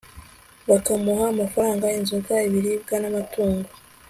bakamuha amafaranga, inzoga, ibiribwa n'amatungo